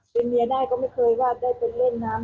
เป็นเมียได้ก็ไม่เคยว่าได้ไปเล่นน้ำ